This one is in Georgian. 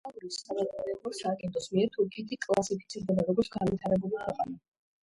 ცენტრალური სადაზვერვო სააგენტოს მიერ, თურქეთი კლასიფიცირდება, როგორც განვითარებული ქვეყანა.